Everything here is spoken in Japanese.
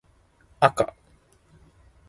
あか